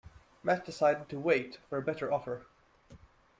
Matt decided to wait for a better offer.